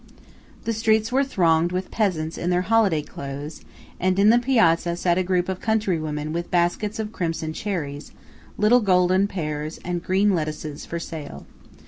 The streets were thronged with peasants in their holiday clothes; and in the piazza sat a group of country women with baskets of crimson cherries, little golden pears, and green lettuces for sale.